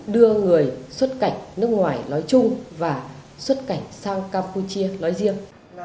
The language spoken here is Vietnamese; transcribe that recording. đưa người xuất cảnh nước ngoài nói chung và xuất cảnh sang campuchia nói riêng